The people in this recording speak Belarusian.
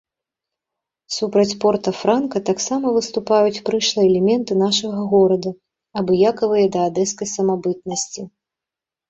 Супраць порта-франка таксама выступаюць прышлыя элементы нашага горада, абыякавыя да адэскай самабытнасці.